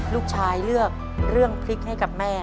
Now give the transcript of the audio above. ลูกชายเลือกเรื่องพริกให้กับแม่